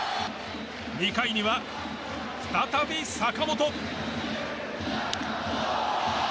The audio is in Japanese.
２回には、再び坂本。